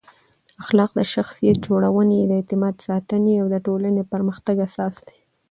اخلاق د شخصیت جوړونې، د اعتماد ساتنې او د ټولنې د پرمختګ اساس دی.